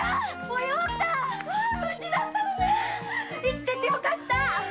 生きててよかった。